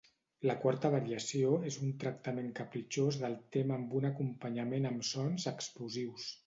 La quarta variació és un tractament capritxós del tema amb un acompanyament amb sons explosius.